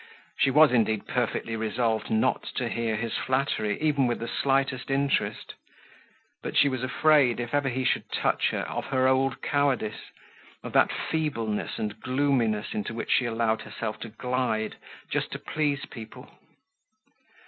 She was, indeed, perfectly resolved not to hear his flattery, even with the slightest interest; but she was afraid, if ever he should touch her, of her old cowardice, of that feebleness and gloominess into which she allowed herself to glide, just to please people.